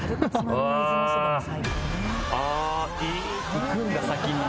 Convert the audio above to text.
行くんだ先にね。